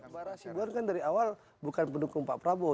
barra azibuan kan dari awal bukan pendukung pak prabowo